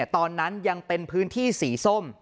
ตอนนั้นยังเป็นพื้นที่สีส้ม